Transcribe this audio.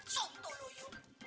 sumpah lo yuk